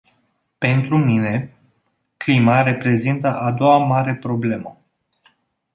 Pentru mine, clima reprezintă a doua mare problemă.